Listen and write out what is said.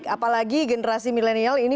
apalagi generasi milenial ini